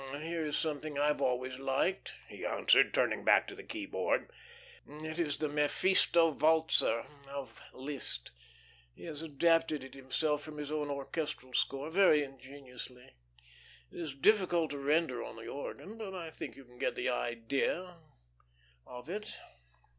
"Here is something I've always liked," he answered, turning back to the keyboard. "It is the 'Mephisto Walzer' of Liszt. He has adapted it himself from his own orchestral score, very ingeniously. It is difficult to render on the organ, but I think you can get the idea of it."